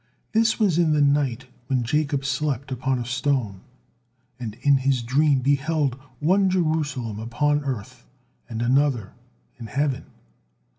This was in the night when Jacob slept upon a stone, and in his dream beheld one Jerusalem upon earth, and another in heaven.